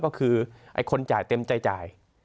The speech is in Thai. ก็คือไอ้คนจ่ายเต็มใจจ่าย